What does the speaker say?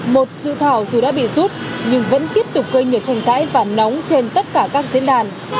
một dự thảo dù đã bị rút nhưng vẫn tiếp tục gây nhiều tranh cãi và nóng trên tất cả các diễn đàn